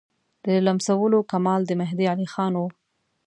د لمسولو کمال د مهدي علیخان وو.